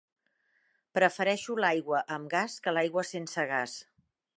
Prefereixo l'aigua amb gas que l'aigua sense gas.